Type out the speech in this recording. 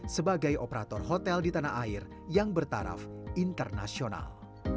sebagai operator hotel di tanah air yang bertaraf internasional